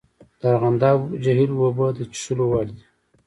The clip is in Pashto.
د ارغنداب جهیل اوبه څښلو وړ دي؟